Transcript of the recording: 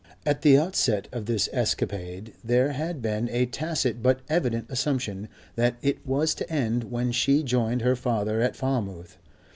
At the outset of this escapade there had been a tacit but evident assumption that it was to end when she joined her father at Falmouth.